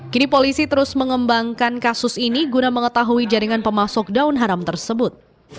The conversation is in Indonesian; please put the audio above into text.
kini polisi terus mengembangkan kasus ini guna mengetahui jaringan pemasok daun haram tersebut